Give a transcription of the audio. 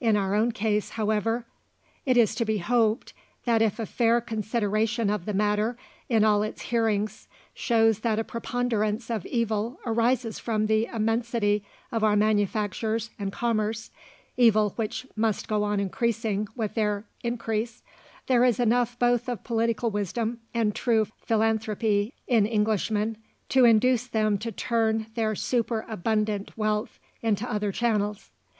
In our own case, however, it is to be hoped, that if a fair consideration of the matter in all its hearings shows that a preponderance of evil arises from the immensity of our manufactures and commerce evil which must go on increasing with their increase there is enough both of political wisdom and true philanthropy in Englishmen, to induce them to turn their superabundant wealth into other channels.